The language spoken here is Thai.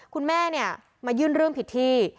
คุณแม่มายื่นเรื่องผิดที่